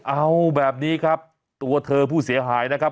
เอาแบบนี้ครับตัวเธอผู้เสียหายนะครับ